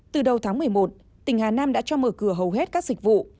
từ đầu tháng một mươi một tỉnh hà nam đã cho mở cửa hầu hết các dịch vụ